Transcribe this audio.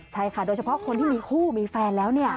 ใช่ค่ะโดยเฉพาะคนที่มีคู่มีแฟนแล้วเนี่ย